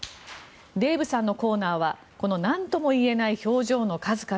デーブさんのコーナーはこのなんとも言えない表情の数々。